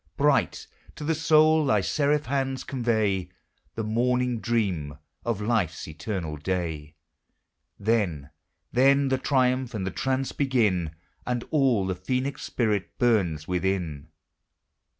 Bright to the soul thy seraph hands convey The morning dream of life's eternal day, — Then, then, the triumph and the trance begin, And all the phoenix spirit burns within!